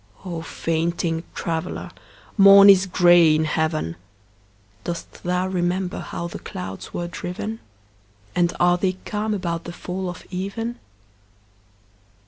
O fainting traveller, morn is gray in heaven. Dost thou remember how the clouds were driven? And are they calm about the fall of even?